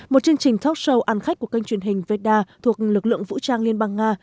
một chương trình talk show ăn khách của kênh truyền hình veda thuộc lực lượng vũ trang liên bang nga